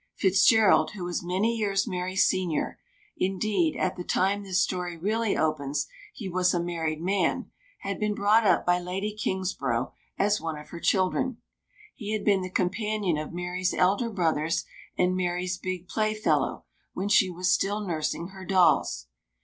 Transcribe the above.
Fitzgerald, who was many years Mary's senior indeed, at the time this story really opens, he was a married man had been brought up by Lady Kingsborough as one of her children. He had been the companion of Mary's elder brothers, and Mary's "big playfellow" when she was still nursing her dolls.